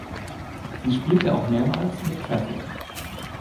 Sie spielte auch mehrmals mit Traffic.